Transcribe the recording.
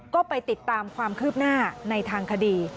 ก็ไปติดตามความคืบหน้าในทางคดี